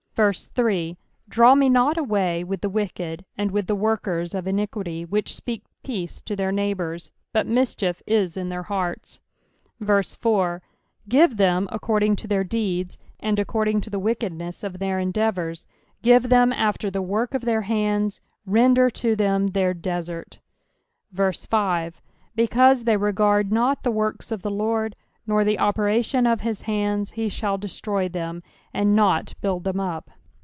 3 Draw me not away with the wicked, and with the workers of iniquity, which speak peace to their neighbours, but mischief is in their hearts. 4 Givcthemaccordtng to their deeds, and according to the wicked ness of their endeavours : give them after the work of their hands ; render to them their desert. 5 Because they regard not the works of the LORD, nor the opera tion of his hands, he shall destroy them, and not build them up.